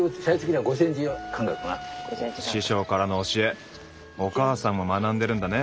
師匠からの教えお母さんも学んでるんだね。